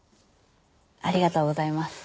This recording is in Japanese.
ありがとうございます。